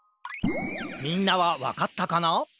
みんなはわかったかな？